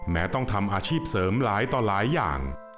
ต้องทำอาชีพเสริมหลายต่อหลายอย่าง